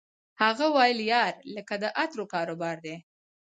هغه ویل یار لکه د عطرو کاروبار دی